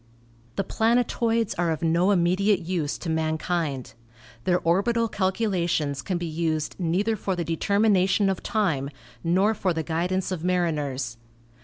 The planet oids are of no immediate use to mankind. Their orbital calculations can be used neither for the determination of time nor for the guidance of mariners.